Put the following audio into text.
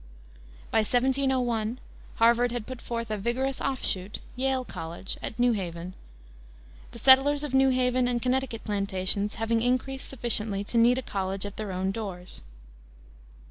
By 1701 Harvard had put forth a vigorous offshoot, Yale College, at New Haven, the settlers of New Haven and Connecticut plantations having increased sufficiently to need a college at their own doors.